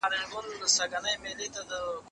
که په لیکنه کي تېروتنې وي نو املا یې حل کوي.